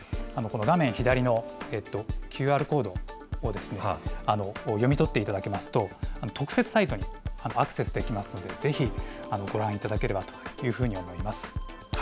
この画面左のＱＲコードを読み取っていただきますと、特設サイトにアクセスできますので、ぜひ、ご覧いただければというふうに思います。